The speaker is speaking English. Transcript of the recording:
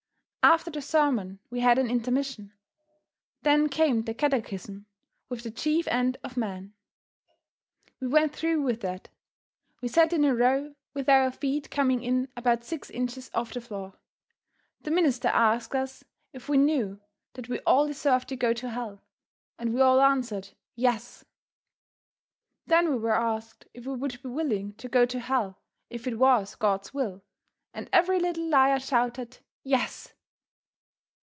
After the sermon we had an intermission. Then came the catechism with the chief end of man. We went through with that. We sat in a row with our feet coming in about six inches of the floor. The minister asked us if we knew that we all deserved to go to hell, and we all answered "Yes." Then we were asked if we would be willing to go to hell if it was God's will, and every little liar shouted "Yes."